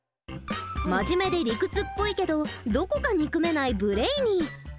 真面目で理屈っぽいけどどこか憎めないブレイニー。